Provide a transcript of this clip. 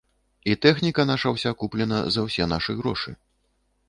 І тэхніка наша ўся куплена за ўсе нашы грошы.